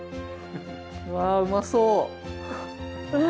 わうまそう！